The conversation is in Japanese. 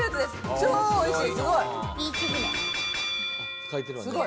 超おいしい！